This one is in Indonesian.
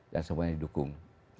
dan semuanya didukung